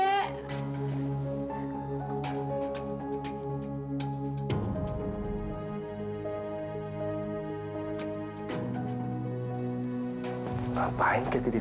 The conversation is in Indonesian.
kenapa rino tidak tidur di ruang